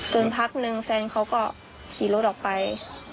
พักนึงแฟนเขาก็ขี่รถออกไป